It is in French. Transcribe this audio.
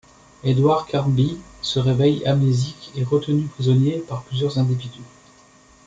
Edward Carnby se réveille amnésique et retenu prisonnier par plusieurs individus.